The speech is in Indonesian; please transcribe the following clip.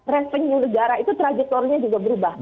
revenue negara itu trajektorinya juga berubah